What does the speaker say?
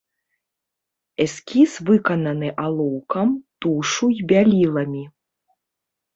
Эскіз выкананы алоўкам, тушу і бяліламі.